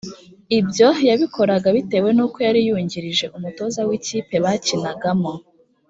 ibyo yabikoraga bitewe n uko yari yungirije umutoza w ikipe bakinagamo